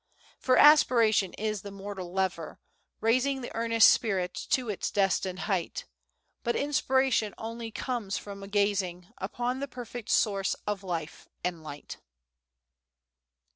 For Aspiration is the moral lever, raising The earnest spirit to its destined height; But Inspiration only comes from gazing Upon the perfect Source of Life and Light!"